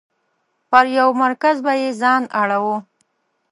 پر یو مرکز به یې ځان اړوه.